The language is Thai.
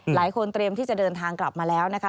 เตรียมที่จะเดินทางกลับมาแล้วนะคะ